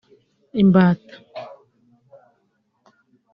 imbata